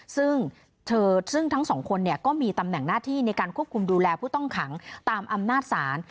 ซึ่งเธอซึ่งทั้งสองคนก็มีตำแหน่งหน้าที่ในการควบคุมดูแลผู้ต้องขังตามอำนาจศาล